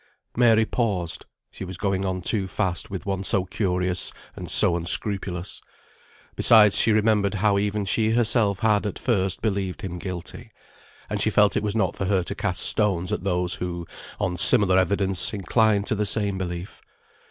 Mary paused; she was going on too fast with one so curious and so unscrupulous. Besides she remembered how even she herself had, at first, believed him guilty; and she felt it was not for her to cast stones at those who, on similar evidence, inclined to the same belief.